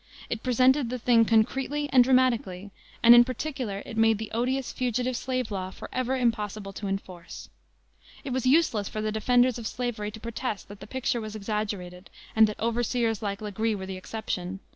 It presented the thing concretely and dramatically, and in particular it made the odious Fugitive Slave Law forever impossible to enforce. It was useless for the defenders of slavery to protest that the picture was exaggerated and that overseers like Legree were the exception.